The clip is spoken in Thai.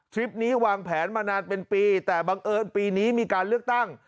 คลิปนี้วางแผนมานานเป็นปีแต่บังเอิญปีนี้มีการเลือกตั้ง